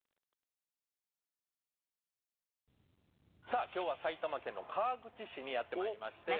さあ今日は埼玉県の川口市にやって参りまして